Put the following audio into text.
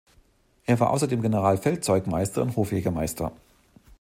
Er war außerdem Generalfeldzeugmeister und Hofjägermeister.